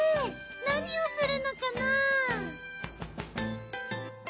何をするのかな？